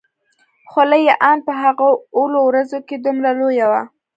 خوله يې ان په هغه اولو ورځو کښې دومره لويه وه.